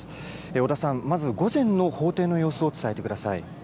小田さん、まず午前の法廷の様子を伝えてください。